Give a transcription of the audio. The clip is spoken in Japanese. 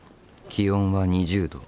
気温は２０度。